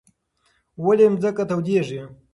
ولې ځمکه تودېږي؟